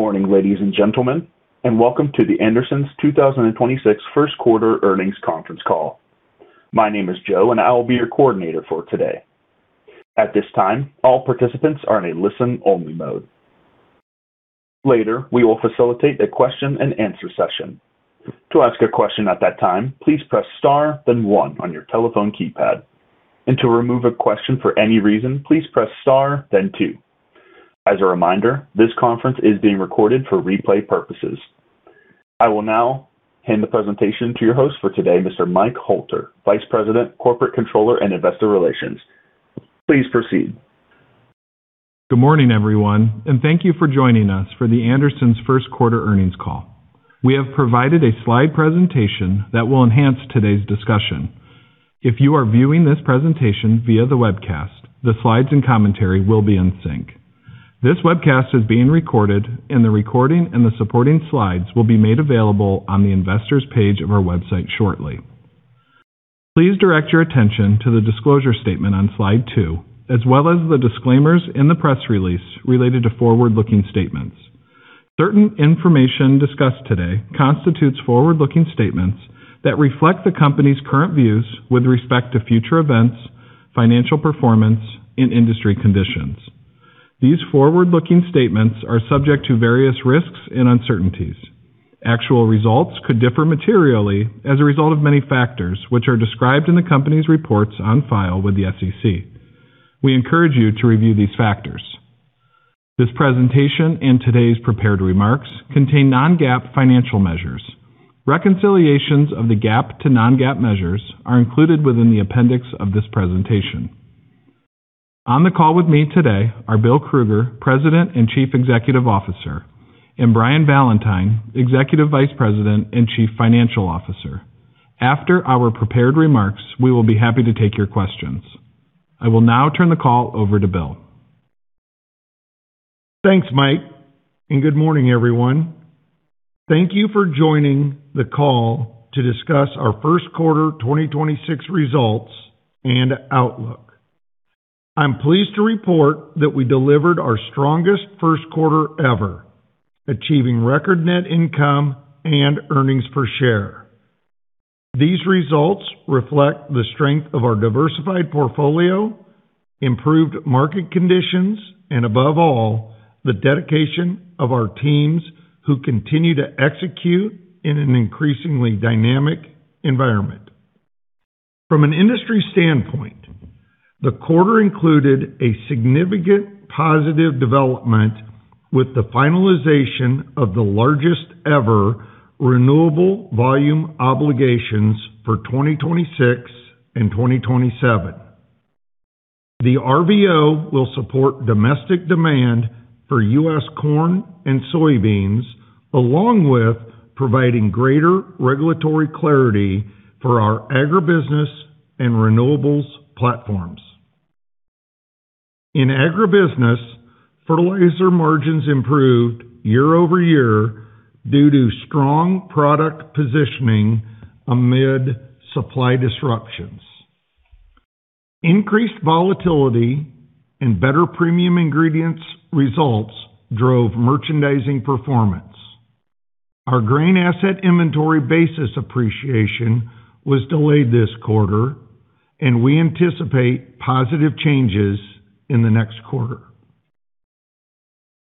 Good morning, ladies and gentlemen, and welcome to The Andersons' 2026 first quarter earnings conference call. My name is Joe, and I will be your coordinator for today. At this time, all participants are in a listen-only mode. Later, we will facilitate a question and answer session. To ask a question at that time, please press star then one on your telephone keypad. To remove a question for any reason, please press star then two. As a reminder, this conference is being recorded for replay purposes. I will now hand the presentation to your host for today, Mr. Mike Hoelter, Vice President, Corporate Controller and Investor Relations. Please proceed. Good morning, everyone, and thank you for joining us for The Andersons' first quarter earnings call. We have provided a slide presentation that will enhance today's discussion. If you are viewing this presentation via the webcast, the slides and commentary will be in sync. This webcast is being recorded, and the recording and the supporting slides will be made available on the investor's page of our website shortly. Please direct your attention to the disclosure statement on slide two, as well as the disclaimers in the press release related to forward-looking statements. Certain information discussed today constitutes forward-looking statements that reflect the company's current views with respect to future events, financial performance, and industry conditions. These forward-looking statements are subject to various risks and uncertainties. Actual results could differ materially as a result of many factors, which are described in the company's reports on file with the SEC. We encourage you to review these factors. This presentation and today's prepared remarks contain non-GAAP financial measures. Reconciliations of the GAAP to non-GAAP measures are included within the appendix of this presentation. On the call with me today are Bill Krueger, President and Chief Executive Officer, and Brian Valentine, Executive Vice President and Chief Financial Officer. After our prepared remarks, we will be happy to take your questions. I will now turn the call over to Bill. Thanks, Mike. Good morning, everyone. Thank you for joining the call to discuss our first quarter 2026 results and outlook. I'm pleased to report that we delivered our strongest first quarter ever, achieving record net income and earnings per share. These results reflect the strength of our diversified portfolio, improved market conditions, and above all, the dedication of our teams who continue to execute in an increasingly dynamic environment. From an industry standpoint, the quarter included a significant positive development with the finalization of the largest ever renewable volume obligations for 2026 and 2027. The RVO will support domestic demand for U.S. corn and soybeans, along with providing greater regulatory clarity for our agribusiness and renewables platforms. In agribusiness, fertilizer margins improved year-over-year due to strong product positioning amid supply disruptions. Increased volatility and better Premium Ingredients results drove merchandising performance. Our grain asset inventory basis appreciation was delayed this quarter, and we anticipate positive changes in the next quarter.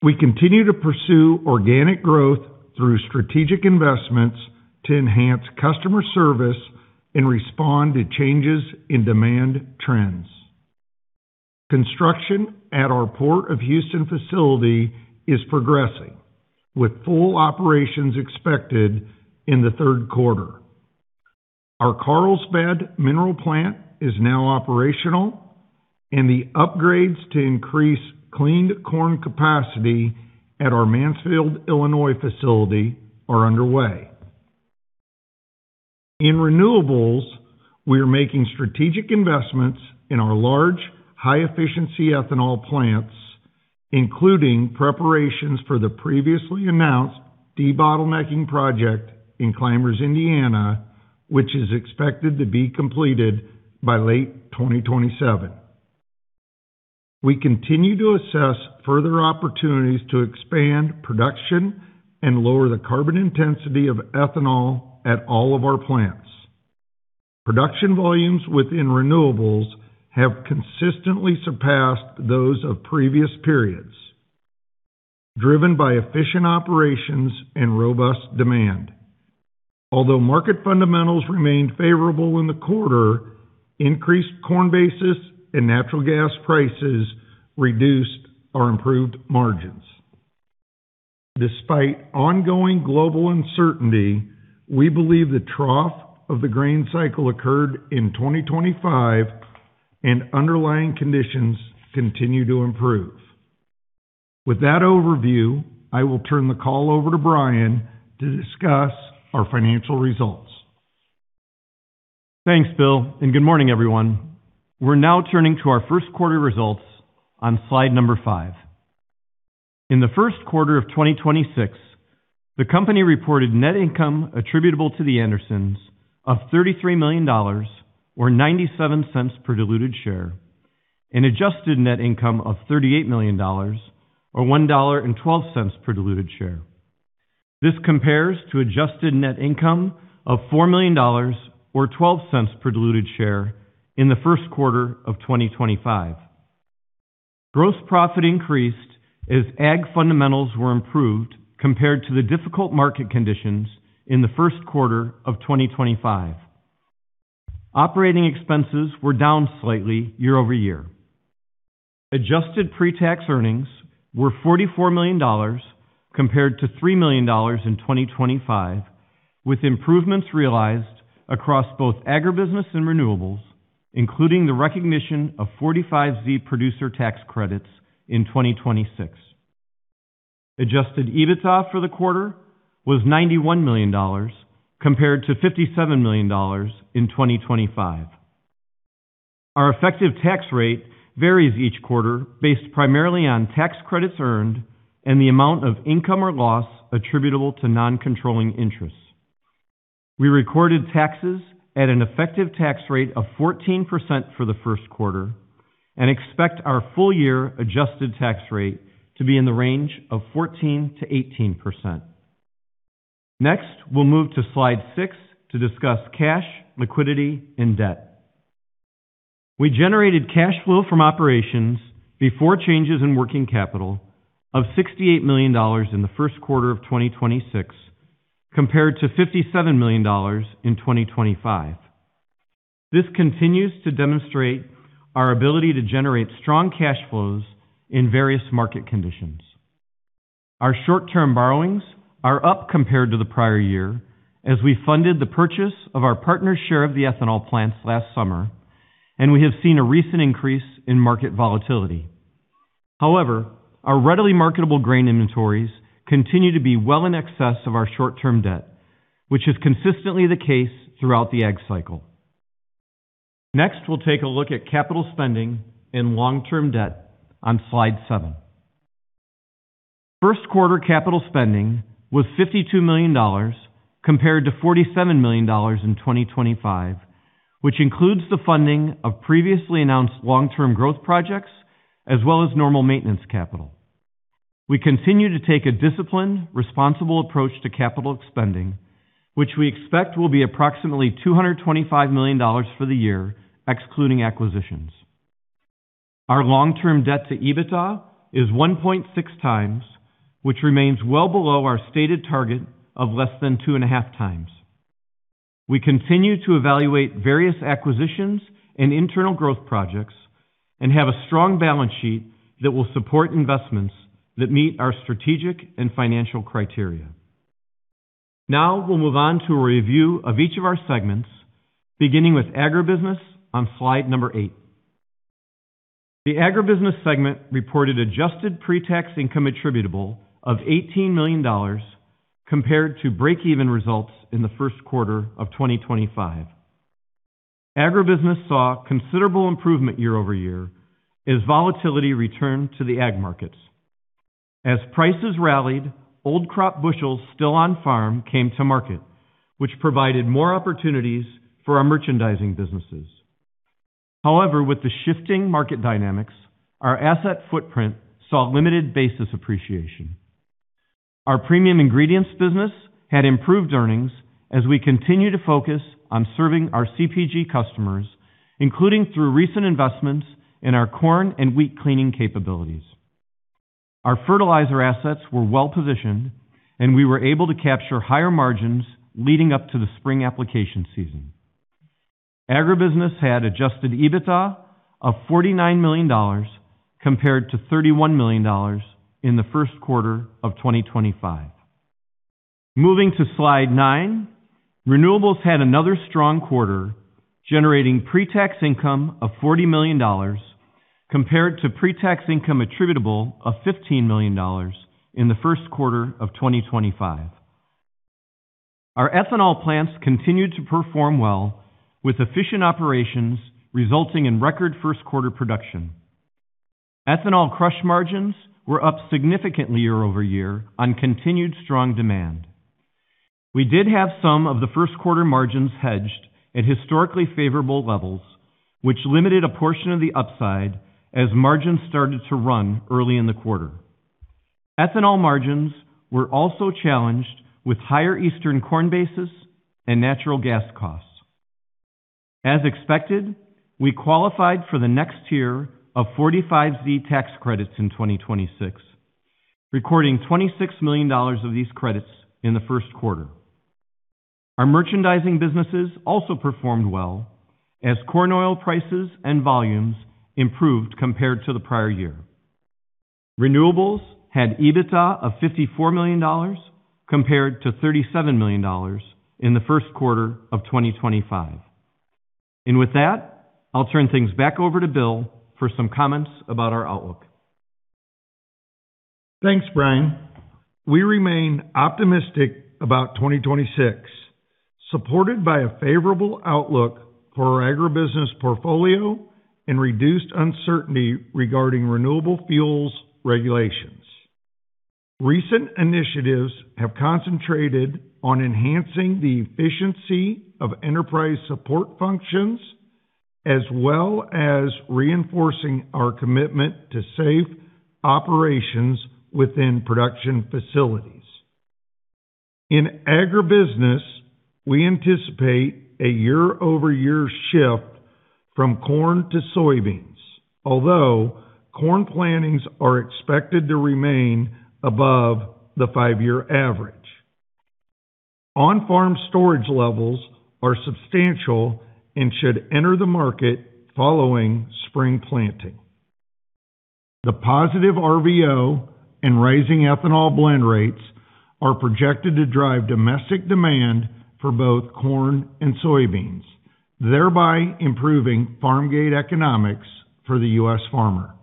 We continue to pursue organic growth through strategic investments to enhance customer service and respond to changes in demand trends. Construction at our Port of Houston facility is progressing, with full operations expected in the third quarter. Our Carlsbad mineral plant is now operational and the upgrades to increase cleaned corn capacity at our Mansfield, Illinois, facility are underway. In renewables, we are making strategic investments in our large, high-efficiency ethanol plants, including preparations for the previously announced debottlenecking project in Clymers, Indiana, which is expected to be completed by late 2027. We continue to assess further opportunities to expand production and lower the carbon intensity of ethanol at all of our plants. Production volumes within renewables have consistently surpassed those of previous periods, driven by efficient operations and robust demand. Although market fundamentals remained favorable in the quarter, increased corn basis and natural gas prices reduced our improved margins. Despite ongoing global uncertainty, we believe the trough of the grain cycle occurred in 2025 and underlying conditions continue to improve. With that overview, I will turn the call over to Brian to discuss our financial results. Thanks, Bill. Good morning, everyone. We're now turning to our first quarter results on slide number five. In the first quarter of 2026, the company reported net income attributable to The Andersons of $33 million or $0.97 per diluted share, and adjusted net income of $38 million or $1.12 per diluted share. This compares to adjusted net income of $4 million or $0.12 per diluted share in the first quarter of 2025. Gross profit increased as ag fundamentals were improved compared to the difficult market conditions in the first quarter of 2025. Operating expenses were down slightly year-over-year. Adjusted pre-tax earnings were $44 million compared to $3 million in 2025, with improvements realized across both agribusiness and renewables, including the recognition of 45Z producer tax credits in 2026. Adjusted EBITDA for the quarter was $91 million compared to $57 million in 2025. Our effective tax rate varies each quarter based primarily on tax credits earned and the amount of income or loss attributable to non-controlling interests. We recorded taxes at an effective tax rate of 14% for the first quarter and expect our full year adjusted tax rate to be in the range of 14%-18%. Next, we'll move to slide six to discuss cash, liquidity and debt. We generated cash flow from operations before changes in working capital of $68 million in the first quarter of 2026 compared to $57 million in 2025. This continues to demonstrate our ability to generate strong cash flows in various market conditions. Our short-term borrowings are up compared to the prior year as we funded the purchase of our partner's share of the ethanol plants last summer, and we have seen a recent increase in market volatility. However, our readily marketable grain inventories continue to be well in excess of our short-term debt, which is consistently the case throughout the ag cycle. Next, we'll take a look at capital spending and long-term debt on slide seven. First quarter capital spending was $52 million compared to $47 million in 2025, which includes the funding of previously announced long-term growth projects as well as normal maintenance capital. We continue to take a disciplined, responsible approach to capital spending, which we expect will be approximately $225 million for the year, excluding acquisitions. Our long-term debt to EBITDA is 1.6x, which remains well below our stated target of less than 2.5x. We continue to evaluate various acquisitions and internal growth projects and have a strong balance sheet that will support investments that meet our strategic and financial criteria. We'll move on to a review of each of our segments, beginning with Agribusiness on slide eight. The Agribusiness segment reported adjusted pre-tax income attributable of $18 million compared to break-even results in the first quarter of 2025. Agribusiness saw considerable improvement year-over-year as volatility returned to the ag markets. Prices rallied, old crop bushels still on farm came to market, which provided more opportunities for our merchandising businesses. With the shifting market dynamics, our asset footprint saw limited basis appreciation. Our premium ingredients business had improved earnings as we continue to focus on serving our CPG customers, including through recent investments in our corn and wheat cleaning capabilities. Our fertilizer assets were well-positioned, and we were able to capture higher margins leading up to the spring application season. Agribusiness had adjusted EBITDA of $49 million compared to $31 million in the first quarter of 2025. Moving to slide nine, renewables had another strong quarter, generating pre-tax income of $40 million compared to pre-tax income attributable of $15 million in the first quarter of 2025. Our ethanol plants continued to perform well with efficient operations resulting in record first quarter production. Ethanol crush margins were up significantly year-over-year on continued strong demand. We did have some of the first quarter margins hedged at historically favorable levels, which limited a portion of the upside as margins started to run early in the quarter. Ethanol margins were also challenged with higher eastern corn basis and natural gas costs. As expected, we qualified for the next tier of 45Z tax credits in 2026, recording $26 million of these credits in the first quarter. Our merchandising businesses also performed well as corn oil prices and volumes improved compared to the prior year. Renewables had EBITDA of $54 million compared to $37 million in the first quarter of 2025. With that, I'll turn things back over to Bill for some comments about our outlook. Thanks, Brian. We remain optimistic about 2026. Supported by a favorable outlook for our agribusiness portfolio and reduced uncertainty regarding renewable fuels regulations. Recent initiatives have concentrated on enhancing the efficiency of enterprise support functions, as well as reinforcing our commitment to safe operations within production facilities. In agribusiness, we anticipate a year-over-year shift from corn to soybeans, although corn plantings are expected to remain above the five-year average. On-farm storage levels are substantial and should enter the market following spring planting. The positive RVO and rising ethanol blend rates are projected to drive domestic demand for both corn and soybeans, thereby improving farm gate economics for the U.S. farmer.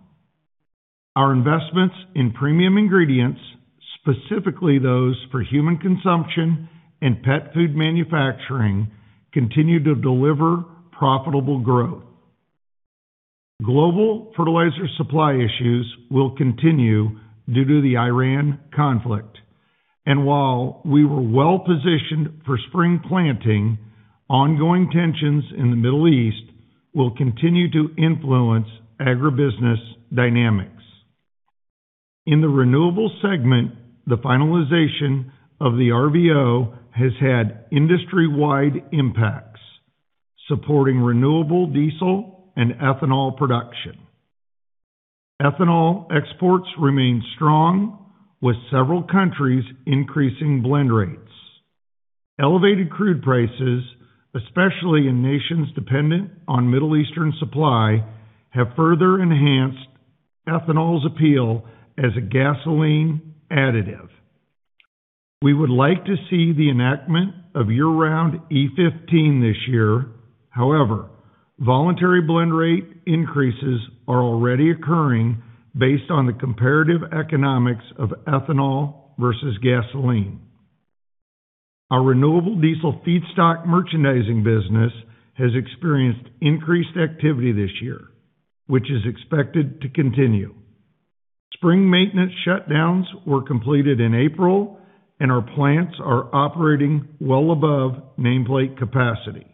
Our investments in premium ingredients, specifically those for human consumption and pet food manufacturing, continue to deliver profitable growth. Global fertilizer supply issues will continue due to the Iran conflict. While we were well-positioned for spring planting, ongoing tensions in the Middle East will continue to influence agribusiness dynamics. In the renewable segment, the finalization of the RVO has had industry-wide impacts, supporting renewable diesel and ethanol production. Ethanol exports remain strong, with several countries increasing blend rates. Elevated crude prices, especially in nations dependent on Middle Eastern supply, have further enhanced ethanol's appeal as a gasoline additive. We would like to see the enactment of year-round E15 this year. However, voluntary blend rate increases are already occurring based on the comparative economics of ethanol versus gasoline. Our renewable diesel feedstock merchandising business has experienced increased activity this year, which is expected to continue. Spring maintenance shutdowns were completed in April, and our plants are operating well above nameplate capacity.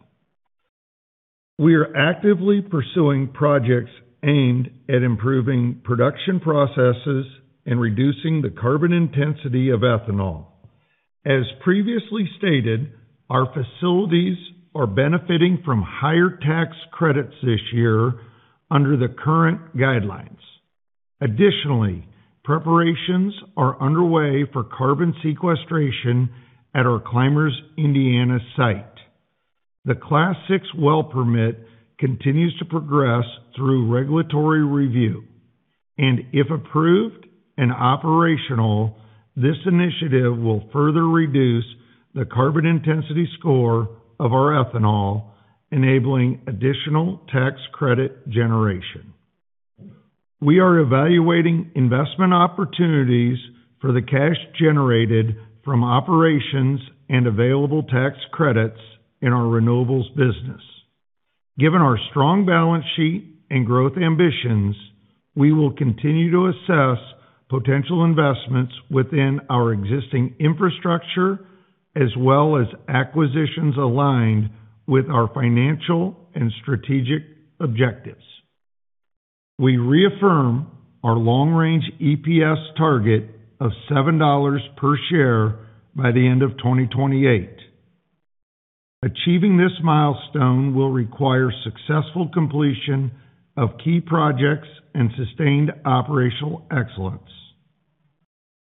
We are actively pursuing projects aimed at improving production processes and reducing the carbon intensity of ethanol. As previously stated, our facilities are benefiting from higher tax credits this year under the current guidelines. Additionally, preparations are underway for carbon sequestration at our Clymers, Indiana site. The Class VI well permit continues to progress through regulatory review, and if approved and operational, this initiative will further reduce the carbon intensity score of our ethanol, enabling additional tax credit generation. We are evaluating investment opportunities for the cash generated from operations and available tax credits in our renewables business. Given our strong balance sheet and growth ambitions, we will continue to assess potential investments within our existing infrastructure, as well as acquisitions aligned with our financial and strategic objectives. We reaffirm our long-range EPS target of $7 per share by the end of 2028. Achieving this milestone will require successful completion of key projects and sustained operational excellence.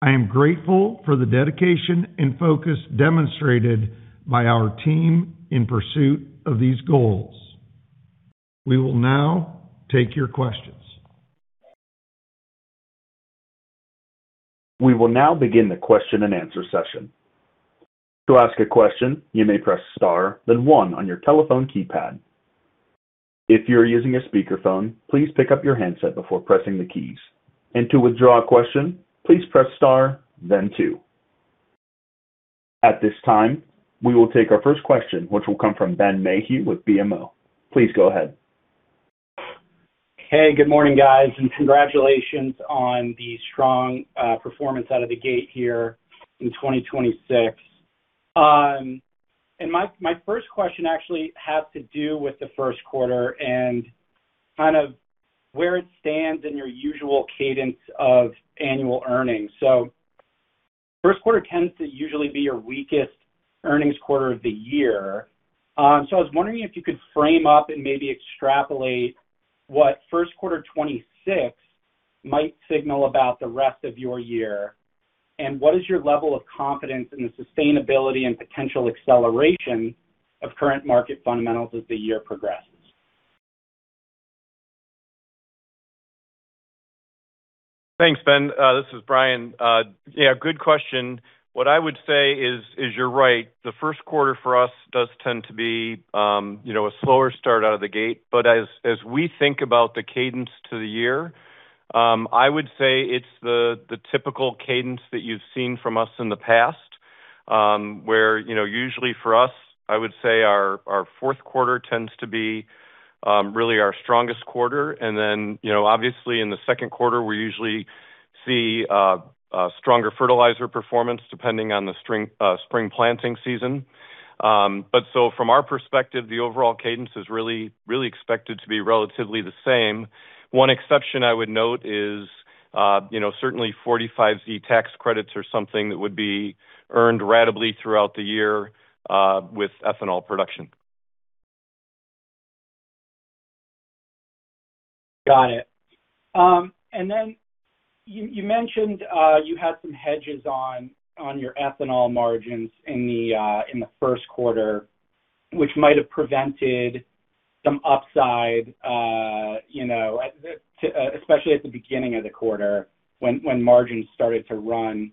I am grateful for the dedication and focus demonstrated by our team in pursuit of these goals. We will now take your questions. We will now begin the question-and-answer session. To ask a question, you may press star, then one on your telephone keypad. If you're using a speakerphone, please pick up your handset before pressing the keys. To withdraw a question, please press star, then two. At this time, we will take our first question, which will come from Benjamin Mayhew with BMO. Please go ahead. Good morning, guys, congratulations on the strong performance out of the gate here in 2026. My first question actually has to do with the first quarter and kind of where it stands in your usual cadence of annual earnings. First quarter tends to usually be your weakest earnings quarter of the year. I was wondering if you could frame up and maybe extrapolate what first quarter 2026 might signal about the rest of your year, what is your level of confidence in the sustainability and potential acceleration of current market fundamentals as the year progresses? Thanks, Ben. This is Brian. Yeah, good question. What I would say is you're right. The first quarter for us does tend to be a slower start out of the gate. As we think about the cadence to the year, I would say it's the typical cadence that you've seen from us in the past, where usually for us, I would say our fourth quarter tends to be really our strongest quarter. Obviously in the second quarter, we usually see stronger fertilizer performance depending on the spring planting season. From our perspective, the overall cadence is expected to be relatively the same. One exception I would note is, you know, certainly 45Z tax credits are something that would be earned ratably throughout the year, with ethanol production. Got it. You mentioned you had some hedges on your ethanol margins in the first quarter, which might have prevented some upside, especially at the beginning of the quarter when margins started to run.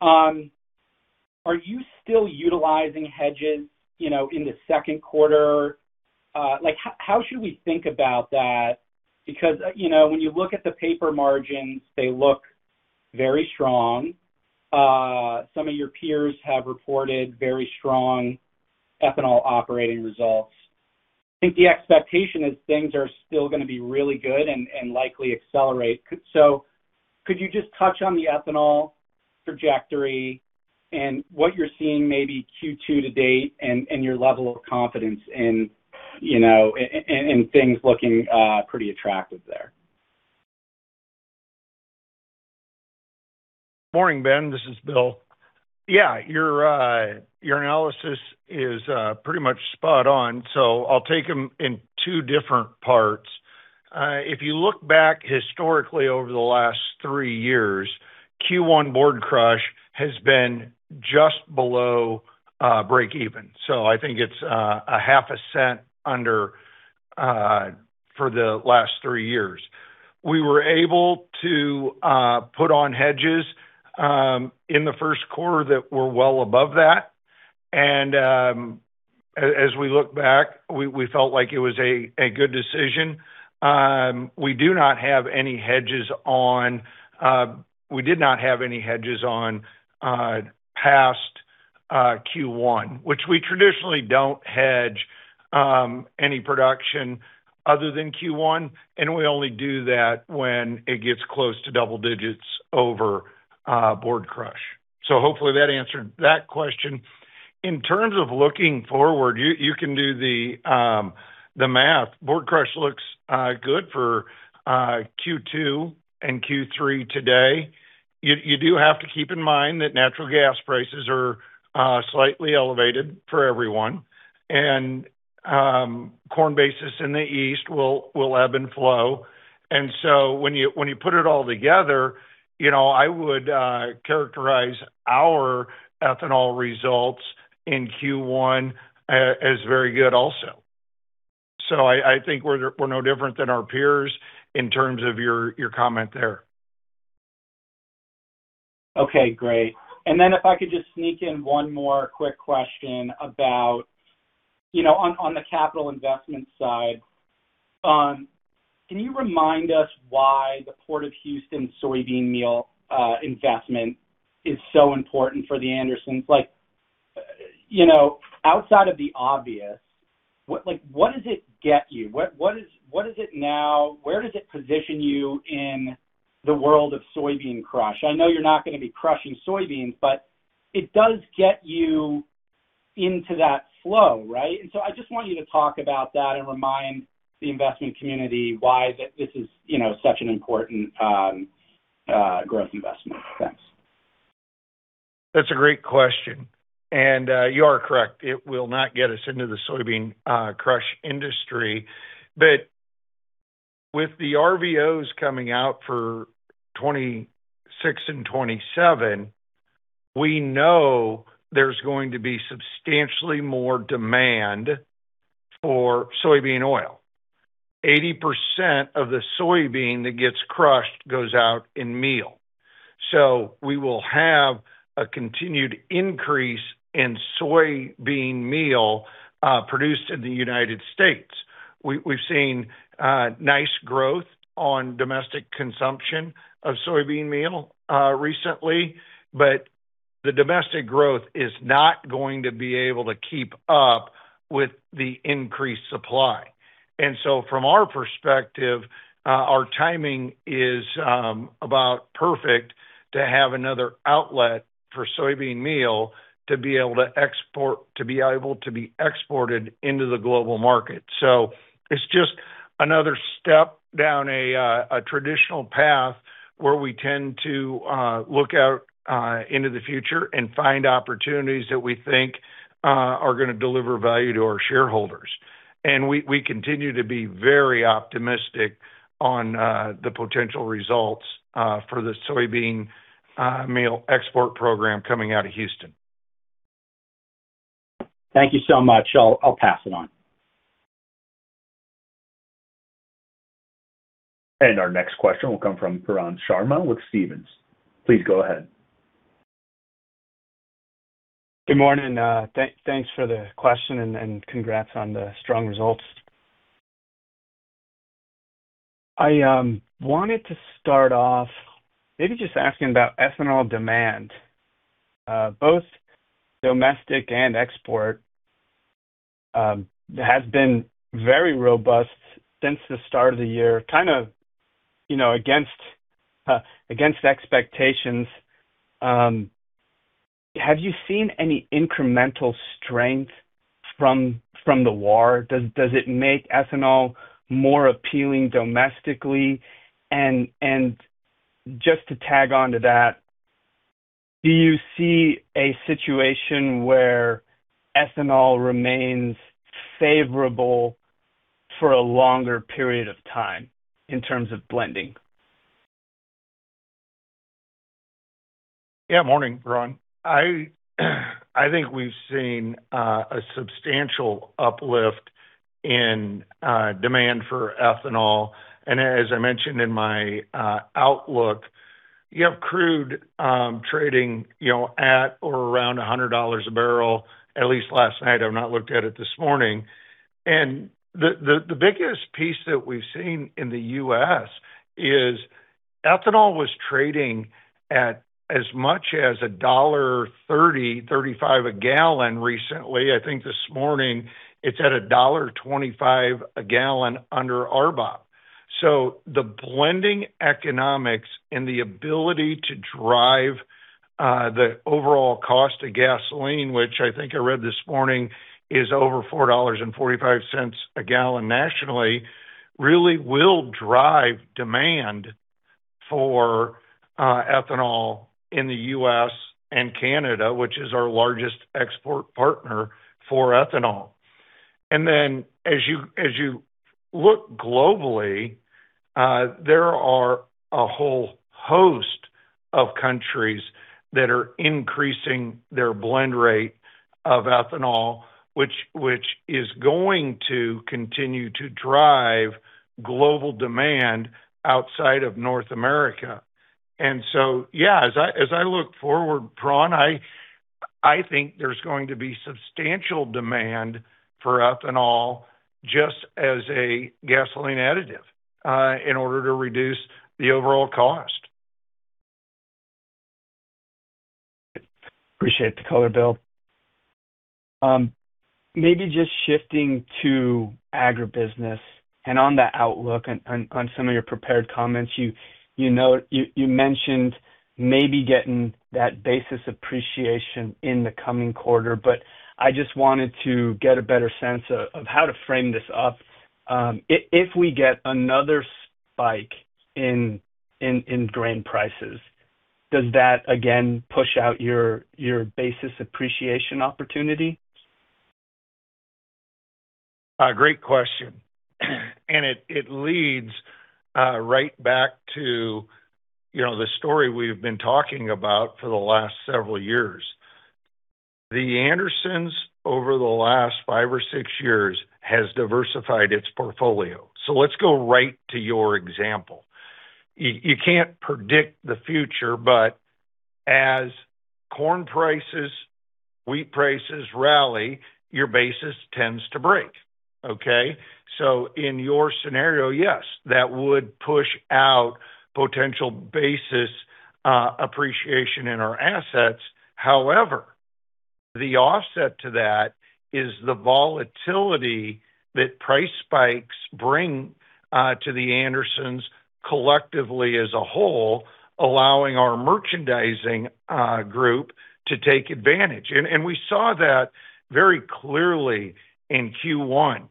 Are you still utilizing hedges in the second quarter? How should we think about that? Because, when you look at the paper margins, they look very strong. Some of your peers have reported very strong ethanol operating results. I think the expectation is things are still gonna be really good and likely accelerate. Could you just touch on the ethanol trajectory and what you're seeing maybe Q2 to date and your level of confidence in things looking pretty attractive there? Morning, Ben. This is Bill. Your analysis is pretty much spot on. I'll take them in two different parts. If you look back historically over the last three years, Q1 board crush has been just below breakeven. I think it's $0.005 under for the last three years. We were able to put on hedges in the first quarter that were well above that. As we look back, we felt like it was a good decision. We did not have any hedges on past Q1, which we traditionally don't hedge any production other than Q1. We only do that when it gets close to double digits over board crush. Hopefully that answered that question. In terms of looking forward, you can do the math. Board crush looks good for Q2 and Q3 today. You do have to keep in mind that natural gas prices are slightly elevated for everyone and corn basis in the east will ebb and flow. When you put it all together, you know, I would characterize our ethanol results in Q1 as very good also. I think we're no different than our peers in terms of your comment there. Okay, great. If I could just sneak in one more quick question about, you know, on the capital investment side. Can you remind us why the Port of Houston soybean meal investment is so important for The Andersons? Like, you know, outside of the obvious, what, like, what does it get you? What is it now? Where does it position you in the world of soybean crush? I know you're not gonna be crushing soybeans, but it does get you into that flow, right? I just want you to talk about that and remind the investment community why this is, you know, such an important growth investment. Thanks. That's a great question. You are correct. It will not get us into the soybean crush industry. With the RVOs coming out for 2026 and 2027, we know there's going to be substantially more demand for soybean oil. 80% of the soybean that gets crushed goes out in meal. We will have a continued increase in soybean meal produced in the United States. We've seen nice growth on domestic consumption of soybean meal recently, but the domestic growth is not going to be able to keep up with the increased supply. From our perspective, our timing is about perfect to have another outlet for soybean meal to be able to be exported into the global market. It's just another step down a traditional path where we tend to look out into the future and find opportunities that we think are gonna deliver value to our shareholders. We continue to be very optimistic on the potential results for the soybean meal export program coming out of Houston. Thank you so much. I'll pass it on. Our next question will come from Pooran Sharma with Stephens. Please go ahead. Good morning. Thanks for the question, and congrats on the strong results. I wanted to start off maybe just asking about ethanol demand. Both domestic and export has been very robust since the start of the year, kind of, you know, against expectations. Have you seen any incremental strength from the war? Does it make ethanol more appealing domestically? Just to tag on to that, do you see a situation where ethanol remains favorable for a longer period of time in terms of blending? Morning, Pooran. I think we've seen a substantial uplift in demand for ethanol. As I mentioned in my outlook, you have crude trading, you know, at or around $100 a barrel, at least last night. I've not looked at it this morning. The biggest piece that we've seen in the U.S. is ethanol was trading at as much as $1.30-$1.35 a gallon recently. I think this morning it's at $1.25 a gallon under RBOB. The blending economics and the ability to drive the overall cost of gasoline, which I think I read this morning is over $4.45 a gallon nationally, really will drive demand for ethanol in the U.S. and Canada, which is our largest export partner for ethanol. As you look globally, there are a whole host of countries that are increasing their blend rate of ethanol, which is going to continue to drive global demand outside of North America. Yeah, as I look forward, Pooran, I think there is going to be substantial demand for ethanol just as a gasoline additive in order to reduce the overall cost. Appreciate the color, Bill. Maybe just shifting to agribusiness and on that outlook on some of your prepared comments, you know, you mentioned maybe getting that basis appreciation in the coming quarter. I just wanted to get a better sense of how to frame this up. If we get another spike in grain prices, does that again push out your basis appreciation opportunity? Great question. It leads, you know, right back to the story we've been talking about for the last several years. The Andersons, over the last five or six years, has diversified its portfolio. Let's go right to your example. You can't predict the future, but as corn prices, wheat prices rally, your basis tends to break, okay? In your scenario, yes, that would push out potential basis appreciation in our assets. However, the offset to that is the volatility that price spikes bring to The Andersons collectively as a whole, allowing our merchandising group to take advantage. We saw that very clearly in Q1.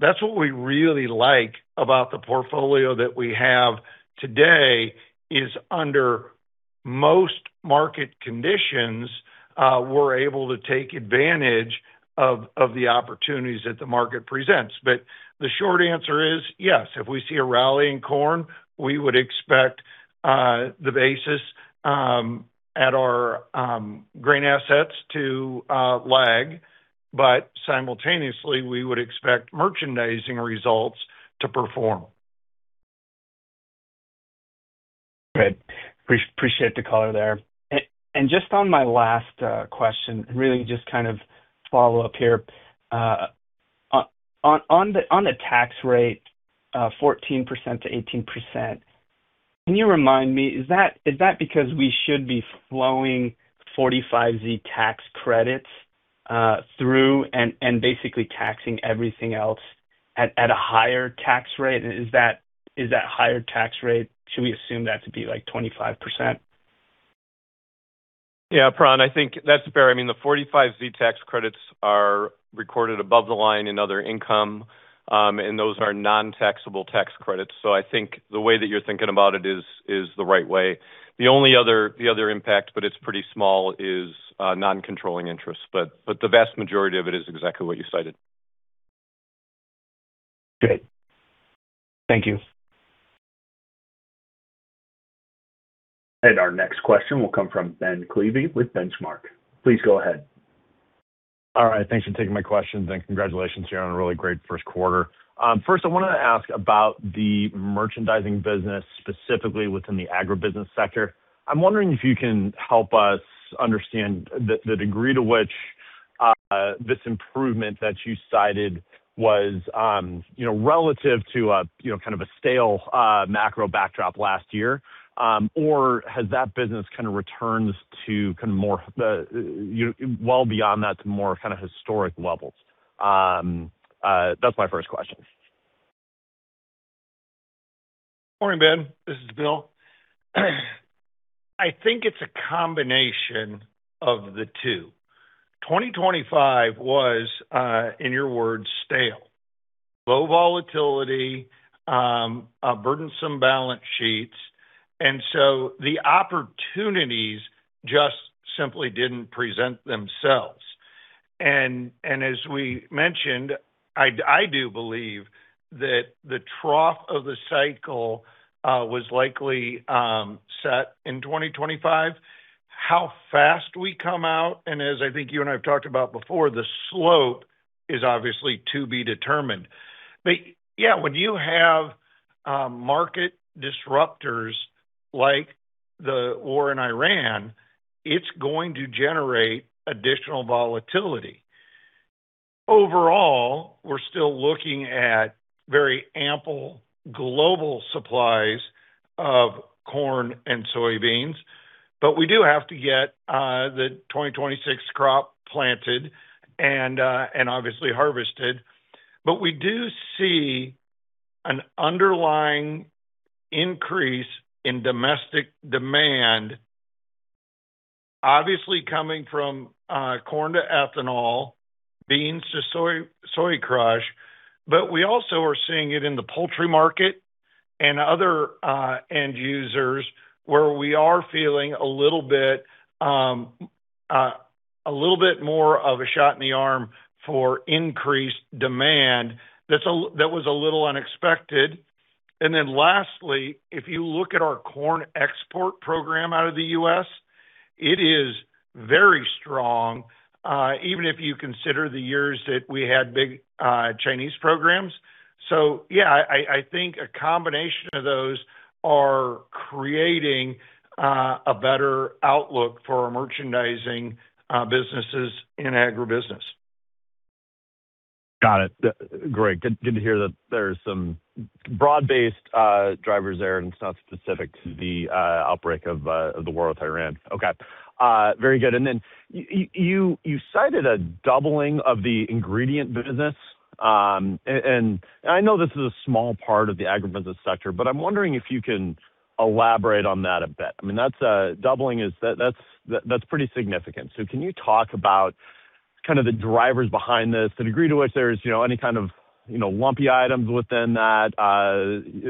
That's what we really like about the portfolio that we have today, is under most market conditions, we're able to take advantage of the opportunities that the market presents. The short answer is yes, if we see a rally in corn, we would expect the basis at our grain assets to lag. Simultaneously, we would expect merchandising results to perform. Good. Appreciate the color there. Just on my last question, really just kind of follow-up here. On the tax rate, 14%-18%, can you remind me, is that because we should be flowing 45Z tax credits through and basically taxing everything else at a higher tax rate? Is that higher tax rate, should we assume that to be, like, 25%? Yeah, Pooran, I think that's fair. I mean, the 45Z tax credits are recorded above the line in other income, those are non-taxable tax credits. I think the way that you're thinking about it is the right way. The only other impact, but it's pretty small, is non-controlling interest. The vast majority of it is exactly what you cited. Great. Thank you. Our next question will come from Ben Klieve with Benchmark. Please go ahead. All right. Thanks for taking my questions, and congratulations, you're on a really great first quarter. First, I want to ask about the merchandising business, specifically within the agribusiness sector. I'm wondering if you can help us understand the degree to which this improvement that you cited was relative to a kind of a stale macro backdrop last year, or has that business returned to more historic levels? That's my first question. Morning, Ben. This is Bill. I think it's a combination of the two. 2025 was, in your words, stale. Low volatility, burdensome balance sheets. The opportunities just simply didn't present themselves. As we mentioned, I do believe that the trough of the cycle was likely set in 2025. How fast we come out, and as I think you and I have talked about before, the slope is obviously to be determined. Yeah, when you have market disruptors like the war in Iran, it's going to generate additional volatility. Overall, we're still looking at very ample global supplies of corn and soybeans, we do have to get the 2026 crop planted and obviously harvested. We do see an underlying increase in domestic demand, obviously coming from corn to ethanol, beans to soy crush, we also are seeing it in the poultry market and other end users where we are feeling a little bit more of a shot in the arm for increased demand. That was a little unexpected. Lastly, if you look at our corn export program out of the U.S., it is very strong, even if you consider the years that we had big Chinese programs. I think a combination of those are creating a better outlook for our merchandising businesses and agribusiness. Got it. Great. Good to hear that there's some broad-based drivers there and it's not specific to the outbreak of the war with Iran. Okay. Very good. Then you cited a doubling of the ingredient business. I know this is a small part of the agribusiness sector, but I'm wondering if you can elaborate on that a bit. I mean, that's pretty significant. Can you talk about kind of the drivers behind this, the degree to which there's, you know, any kind of, you know, lumpy items within that,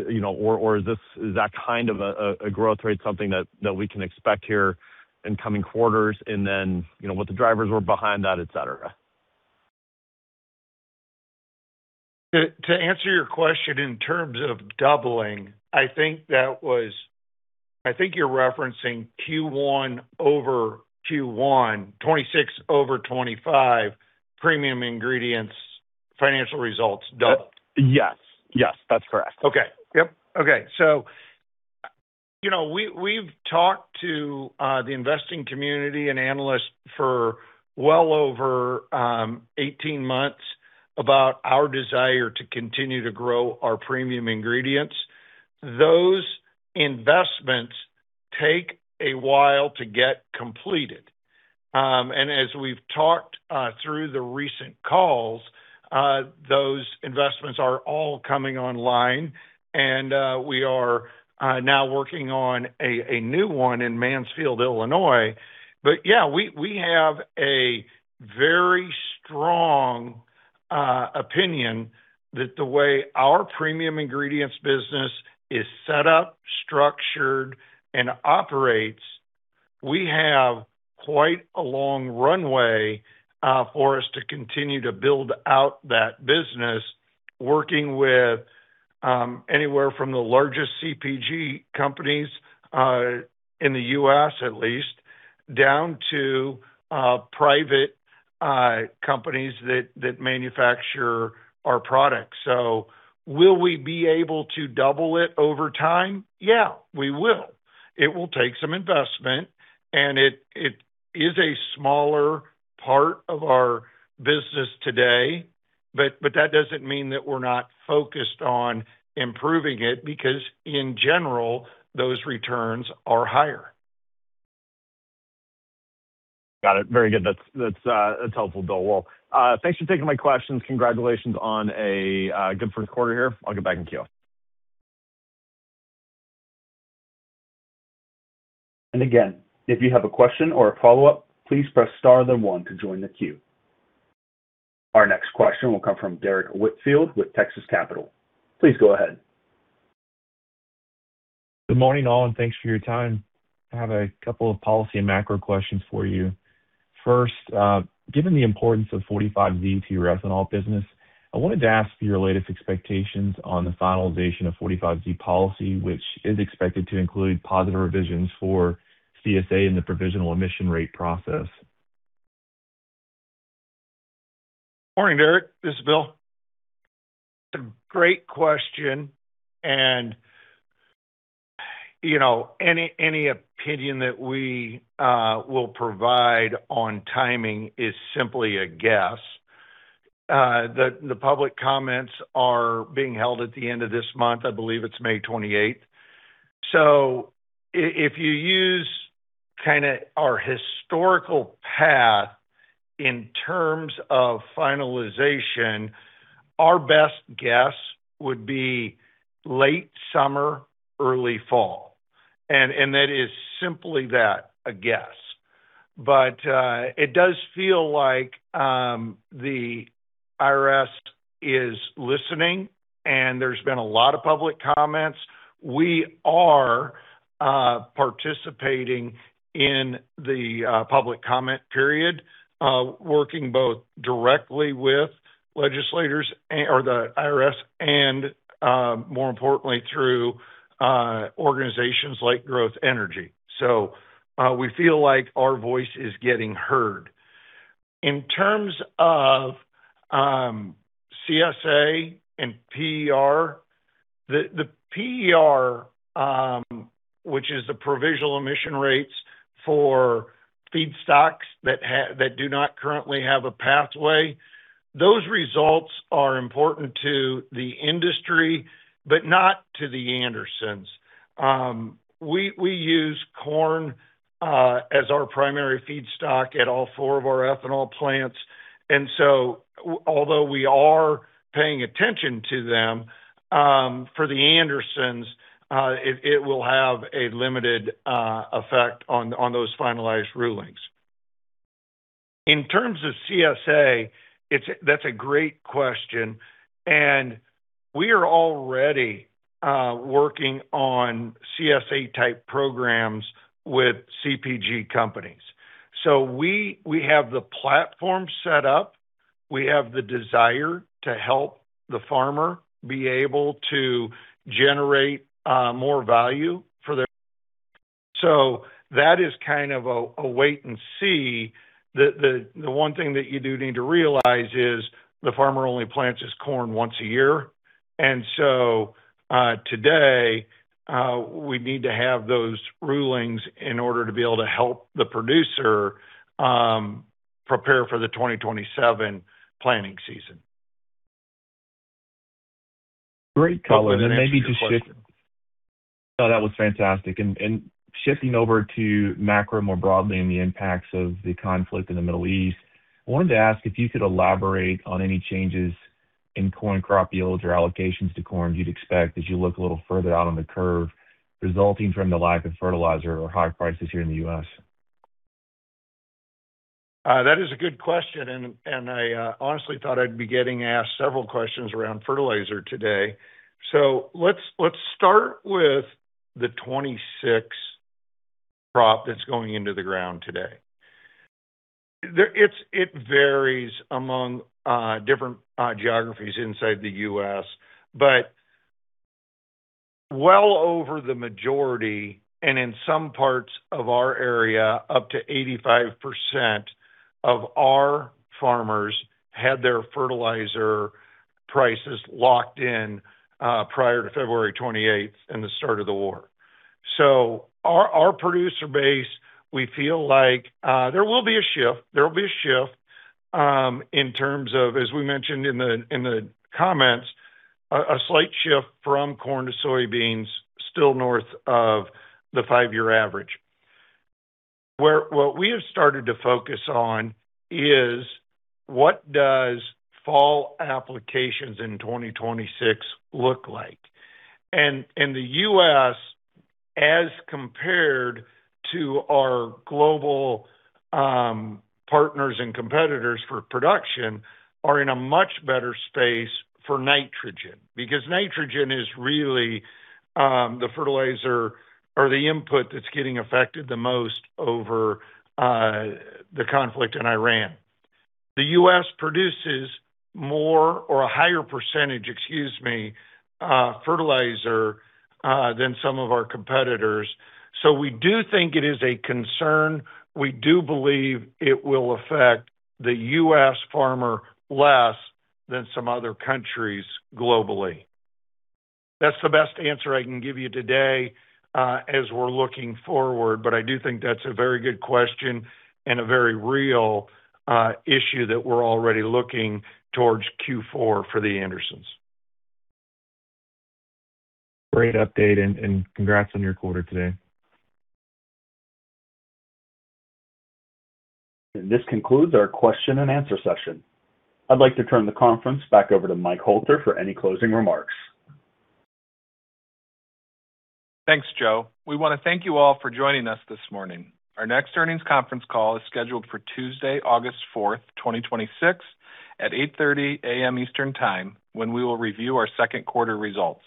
you know, or is that kind of a growth rate something that we can expect here in coming quarters, then, you know, what the drivers were behind that, et cetera? To answer your question in terms of doubling, I think you're referencing Q1 over Q1, 2026 over 2025 Premium Ingredients, financial results doubled. Yes. Yes, that's correct. Okay. Yep. Okay. You know, we've talked to the investing community and analysts for well over 18 months about our desire to continue to grow our premium ingredients. Those investments take a while to get completed. And as we've talked through the recent calls, those investments are all coming online, and we are now working on a new one in Mansfield, Illinois. Yeah, we have a very strong opinion that the way our premium ingredients business is set up, structured, and operates, we have quite a long runway for us to continue to build out that business, working with anywhere from the largest CPG companies in the U.S., at least, down to private companies that manufacture our products. Will we be able to double it over time? Yeah, we will. It will take some investment, and it is a smaller part of our business today, but that doesn't mean that we're not focused on improving it because, in general, those returns are higher. Got it. Very good. That's helpful, Bill. Well, thanks for taking my questions. Congratulations on a good first quarter here. I'll get back in queue. Again, if you have a question or a follow-up, please press star then one to join the queue. Our next question will come from Derrick Whitfield with Texas Capital. Please go ahead. Good morning, all, and thanks for your time. I have a couple of policy and macro questions for you. First, given the importance of 45Z to your ethanol business, I wanted to ask your latest expectations on the finalization of 45Z policy, which is expected to include positive revisions for CSA in the provisional emission rate process. Morning, Derrick. This is Bill. Great question. You know, any opinion that we will provide on timing is simply a guess. The, the public comments are being held at the end of this month, I believe it's May 28th. If you use kinda our historical path in terms of finalization, our best guess would be late summer, early fall. That is simply that, a guess. It does feel like the IRS is listening, and there's been a lot of public comments. We are participating in the public comment period, working both directly with legislators or the IRS and more importantly through organizations like Growth Energy. We feel like our voice is getting heard. In terms of CSA and PER, the PER, which is the Provisional Emission Rates for feedstocks that do not currently have a pathway, those results are important to the industry, but not to The Andersons. We use corn as our primary feedstock at all four of our ethanol plants. Although we are paying attention to them, for The Andersons, it will have a limited effect on those finalized rulings. In terms of CSA, that's a great question. We are already working on CSA-type programs with CPG companies. We have the platform set up. We have the desire to help the farmer be able to generate more value for their. That is kind of a wait-and-see. The one thing that you do need to realize is the farmer only plants his corn once a year. Today, we need to have those rulings in order to be able to help the producer prepare for the 2027 planting season. Great color. Hope that answers your question. No, that was fantastic. Shifting over to macro more broadly and the impacts of the conflict in the Middle East, I wanted to ask if you could elaborate on any changes in corn crop yields or allocations to corn you'd expect as you look a little further out on the curve resulting from the lack of fertilizer or high prices here in the U.S. That is a good question, and I honestly thought I'd be getting asked several questions around fertilizer today. Let's start with the 2026 crop that's going into the ground today. It varies among different geographies inside the U.S. Well over the majority, and in some parts of our area, up to 85% of our farmers had their fertilizer prices locked in prior to February 28th and the start of the war. Our producer base, we feel like there will be a shift. There will be a shift in terms of, as we mentioned in the comments, a slight shift from corn to soybeans, still north of the five-year average. What we have started to focus on is what does fall applications in 2026 look like? In the U.S., as compared to our global partners and competitors for production, are in a much better space for nitrogen, because nitrogen is really the fertilizer or the input that's getting affected the most over the conflict in Iran. The U.S. produces more or a higher percentage, excuse me, fertilizer, than some of our competitors. We do think it is a concern. We do believe it will affect the U.S. farmer less than some other countries globally. That's the best answer I can give you today, as we're looking forward, but I do think that's a very good question and a very real issue that we're already looking towards Q4 for The Andersons. Great update and congrats on your quarter today. This concludes our question-and-answer session. I'd like to turn the conference back over to Mike Hoelter for any closing remarks. Thanks, Joe. We wanna thank you all for joining us this morning. Our next earnings conference call is scheduled for Tuesday, August 4th, 2026 at 8:30 A.M. Eastern Time, when we will review our second quarter results.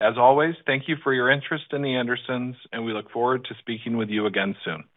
As always, thank you for your interest in The Andersons, and we look forward to speaking with you again soon.